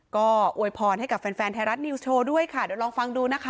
ก็อวยพรให้กับแฟนแฟนไทยรัฐนิวส์โชว์ด้วยค่ะเดี๋ยวลองฟังดูนะคะ